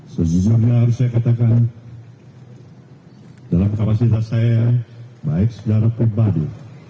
sejujurnya harus saya katakan dalam kapasitas saya baik secara pribadi